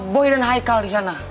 boy dan haikal di sana